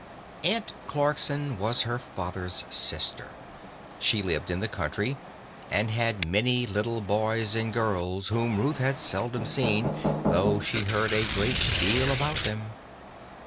Aunt Clarkson was her father's sister. She lived in the country, and had many little boys and girls whom Ruth had seldom seen, though she heard a great deal about them.